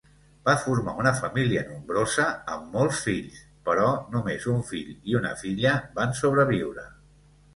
Va formar una família nombrosa amb molts fills, però només un fill i una filla van sobreviure.